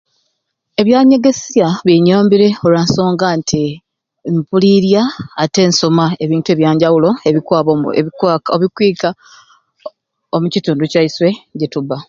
Ebyanyegesya binyambire olwansonga nti mpuliirya ate nsoma ebintu ebyanjawulo ebikwaba ebikwika omu kitundu kyaiswe wetuba